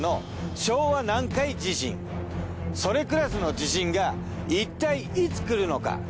それクラスの地震がいったいいつ来るのか？